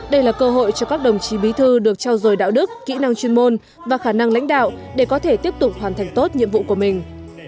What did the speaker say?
đây là cơ hội cho các đồng chí bí thư được trao dồi đạo đức kỹ năng chuyên môn và khả năng lãnh đạo để có thể tiếp tục hoàn thành tốt nhiệm vụ của mình